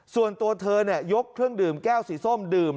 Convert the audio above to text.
ส่วนตัวเธอยกเครื่องดื่มแก้วสีส้มดื่ม